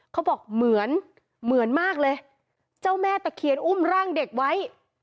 เขาบอกเหมือนเหมือนมากเลยเจ้าแม่ตะเคียนอุ้มร่างเด็กไว้